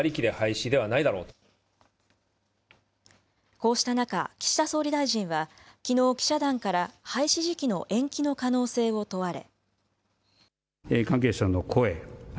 こうした中、岸田総理大臣は、きのう記者団から廃止時期の延期の可能性を問われ。